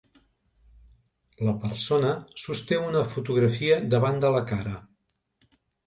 La persona sosté una fotografia davant de la cara.